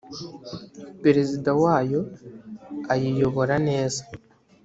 perezida wayo ayiyobora neza.